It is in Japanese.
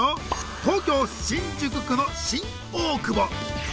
東京・新宿区の新大久保。